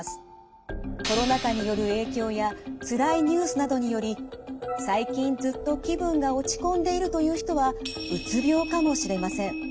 コロナ禍による影響やつらいニュースなどにより最近ずっと気分が落ち込んでいるという人はうつ病かもしれません。